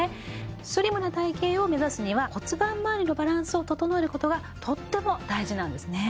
スリムな体形を目指すには骨盤まわりのバランスを整えることがとっても大事なんですね